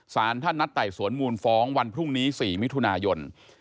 สารท่านนัดไต่สวนมูลฟ้องวันพรุ่งนี้๔มิถุนายน